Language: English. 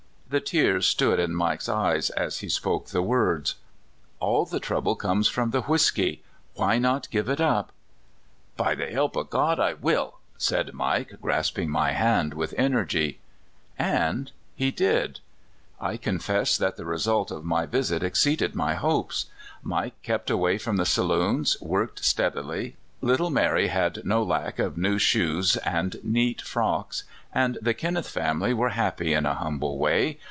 " The tears stood in Mike's eyes as he spoke the words. "All the trouble comes from the whisky. Why not give it up ?" 128 CALIFORNIA SKETCHES. '' By the help of God I will !" said Mike, grasp ing my hand with energy. And he did. I confess that the result of my visit exceeded my hopes. Mike kept away from the saloons, worked steadity, little Mary had no lack of new shoes and neat frocks, and the Kin neth family were happy in a humble way.